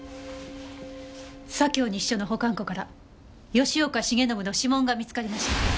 左京西署の保管庫から吉岡繁信の指紋が見つかりました。